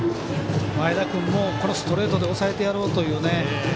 前田君もストレートで抑えてやろうという。